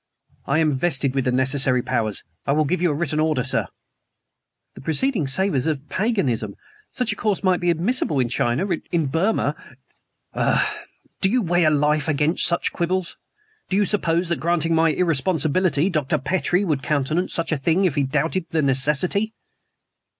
"I am vested with the necessary powers. I will give you a written order, sir." "The proceeding savors of paganism. Such a course might be admissible in China, in Burma " "Do you weigh a life against such quibbles? Do you suppose that, granting MY irresponsibility, Dr. Petrie would countenance such a thing if he doubted the necessity?"